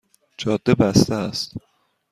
جاده بسته است